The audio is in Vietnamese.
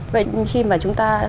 vậy khi mà chúng ta